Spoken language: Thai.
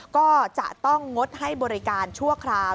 ก็จะต้องงดให้บริการชั่วคราว